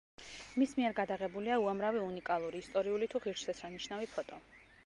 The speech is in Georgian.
მის მიერ გადაღებულია უამრავი უნიკალური, ისტორიული თუ ღირსშესანიშნავი ფოტო.